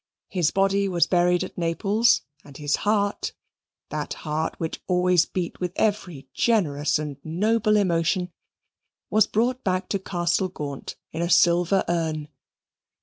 His body was buried at Naples, and his heart that heart which always beat with every generous and noble emotion was brought back to Castle Gaunt in a silver urn.